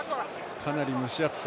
かなり蒸し暑さ